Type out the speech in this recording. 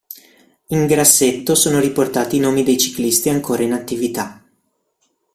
In grassetto sono riportati i nomi dei ciclisti ancora in attività.